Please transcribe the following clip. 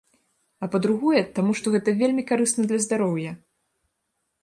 А па-другое, таму што гэта вельмі карысна для здароўя!